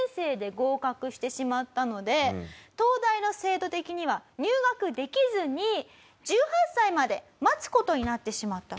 東大の制度的には入学できずに１８歳まで待つ事になってしまったと。